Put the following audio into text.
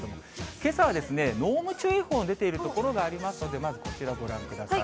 けさは濃霧注意報の出ている所がありますので、こちらご覧ください。